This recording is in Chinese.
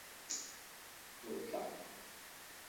拉鲁县是位于美国肯塔基州中部的一个县。